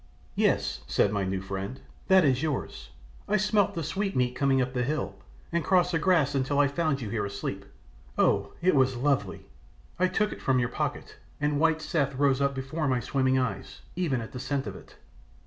"Yes," said my new friend, "that is yours. I smelt the sweetmeat coming up the hill, and crossed the grass until I found you here asleep. Oh, it was lovely! I took it from your pocket, and white Seth rose up before my swimming eyes, even at the scent of it.